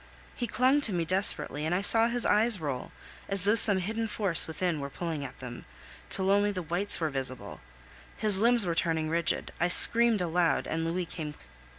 He clung to me desperately, and I saw his eyes roll, as though some hidden force within were pulling at them, till only the whites were visible; his limbs were turning rigid. I screamed aloud, and Louis came.